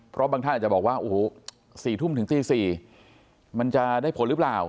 เพราะบางท่านอาจจะบอกว่าโอ้โห๔ทุ่มถึงตี๔มันจะได้ผลหรือเปล่า